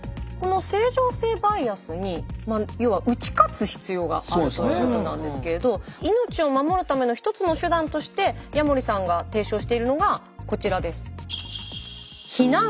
この正常性バイアスに要は打ち勝つ必要があるということなんですけれど命を守るための一つの手段として矢守さんが提唱しているのがこちらです。